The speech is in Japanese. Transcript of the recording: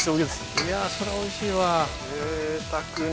それはおいしいわ。